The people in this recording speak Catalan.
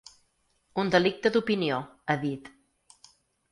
Un delicte d’opinió, ha dit.